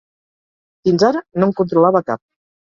Fins ara no en controlava cap.